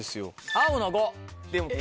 青の５。